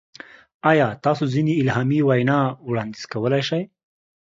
ایا تاسو ځینې الهامي وینا وړاندیز کولی شئ؟